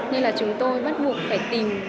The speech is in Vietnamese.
như là chúng tôi bắt buộc phải tìm